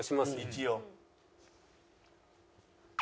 一応。